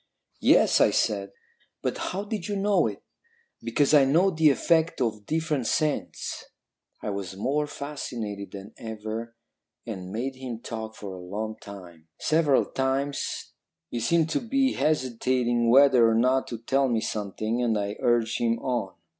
"'Yes,' I said, 'but how did you know it?' "'Because I know the effect of different scents.' "I was more fascinated than ever, and made him talk for a long time. Several times he seemed to be hesitating whether or not to tell me something, and I urged him on.